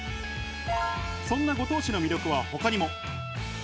そんな五島市の魅力は他にも。